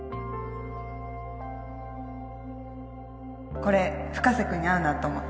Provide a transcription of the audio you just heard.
これ深瀬君に合うなと思って